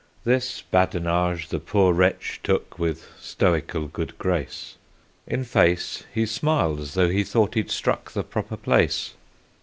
This badinage the poor wretch took with stoical good grace; In face, he smiled as tho' he thought he'd struck the proper place.